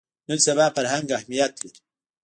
نن سبا فرهنګ اهمیت لري